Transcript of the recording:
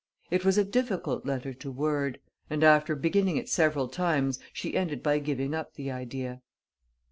It was a difficult letter to word; and, after beginning it several times, she ended by giving up the idea.